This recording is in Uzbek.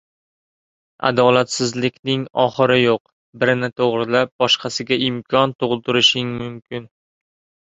Adolatsizlikning oxiri yo‘q: birini to‘g‘rilab, boshqasiga imkon tug‘dirishing mumkin.